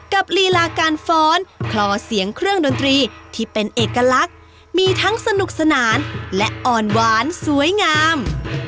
ลีลาการฟ้อนคลอเสียงเครื่องดนตรีที่เป็นเอกลักษณ์มีทั้งสนุกสนานและอ่อนหวานสวยงาม